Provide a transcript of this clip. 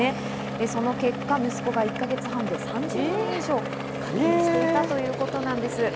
その結果、息子が１か月半で３０万円以上、課金していたということです。